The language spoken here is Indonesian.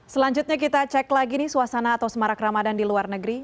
selanjutnya kita cek lagi nih suasana atau semarak ramadan di luar negeri